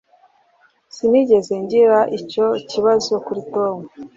Sinigeze ngira icyo kibazo kuri Tom.